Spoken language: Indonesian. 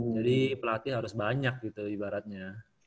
jadi pelatih harus banyak gitu ibaratnya